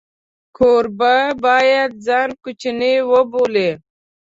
کوربه باید ځان کوچنی وبولي.